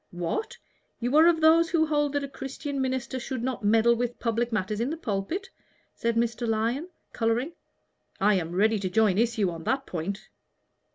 "What! you are of those who hold that a Christian minister should not meddle with public matters in the pulpit?" said Mr. Lyon, coloring. "I am ready to join issue on that point."